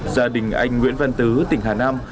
gia đình anh nguyễn văn tứ tỉnh hà nam